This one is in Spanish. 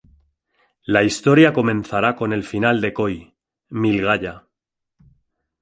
La historia comenzará con el final de Koi… Mil Gaya.